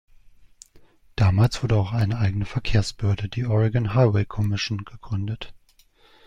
Damals wurde auch eine eigene Verkehrsbehörde, die "Oregon Highway Commission", gegründet.